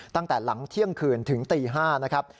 ตั้งแต่หลังเที่ยงคืนถึงตี๕นะครับ